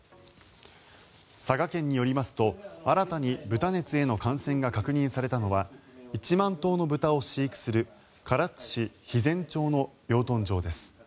佐賀県によりますと新たに豚熱への感染が確認されたのは１万頭の豚を飼育する唐津市肥前町の養豚場です。